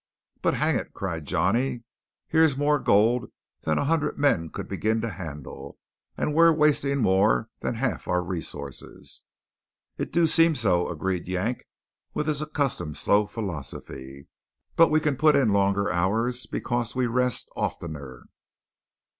"But hang it!" cried Johnny, "here's more gold than a hundred men could begin to handle, and we're wasting more than half our resources." "It do seem so," agreed Yank with his accustomed slow philosophy. "But we can put in longer hours because we rest oftener."